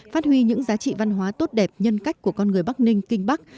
phát huy những giá trị văn hóa tốt đẹp nhân cách của con người bắc ninh kinh bắc